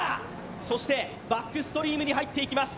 そしてバックストリームに入っていきます。